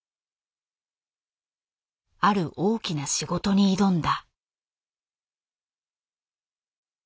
ある大きな仕事に挑んだ。